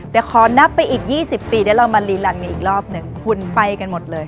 แต่ขอนับไปอีก๒๐ปีแล้วเรามารีรันด์มีอีกรอบหนึ่ง